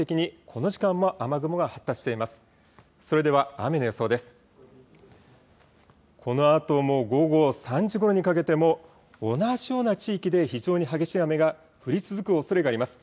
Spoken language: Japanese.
このあとも午後３時ごろにかけても同じような地域で非常に激しい雨が降り続くおそれがあります。